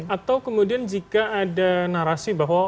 atau kemudian jika ada narasi bahwa